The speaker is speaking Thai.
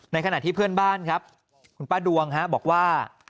ขณะที่เพื่อนบ้านครับคุณป้าดวงบอกว่า